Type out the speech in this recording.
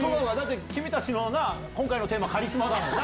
君たちのな、今回のテーマ、カリスマだもんな。